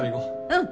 うん！